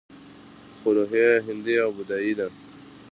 خو روحیه یې هندي او بودايي وه